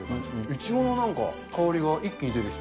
いちごのなんか香りが一気に出てきた。